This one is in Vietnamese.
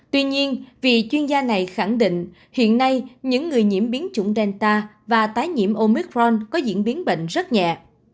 tuy nhiên vì chuyên gia này khẳng định hiện nay những người nhiễm biến chủng delta và tái nhiễm omicron có diễn biến bệnh rất nhẹ